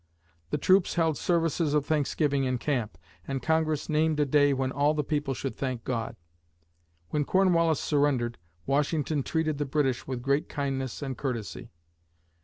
The troops held services of thanksgiving in camp, and Congress named a day when all the people should thank God. When Cornwallis surrendered, Washington treated the British with great kindness and courtesy.